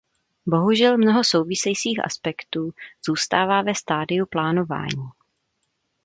Bohužel mnoho souvisejících aspektů zůstává ve stadiu plánování.